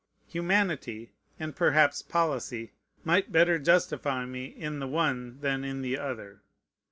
Humanity, and perhaps policy, might better justify me in the one than in the other.